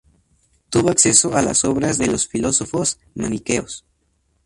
Tuvo acceso a las obras de los filósofos maniqueos.